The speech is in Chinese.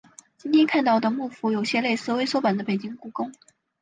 今天看到的木府有些类似微缩版的北京故宫。